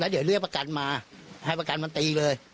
เดี๋ยวเรียกประกันมาให้ประกันมันตีเลย